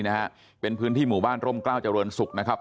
ในพื้นที่หมู่บ้านร่มเกล้าเจริญศุกร์นะครับ